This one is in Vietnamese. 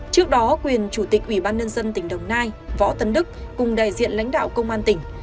trước đó quyền chủ tịch ubnd tỉnh đồng nai võ tấn đức cùng đại diện lãnh đạo công an tỉnh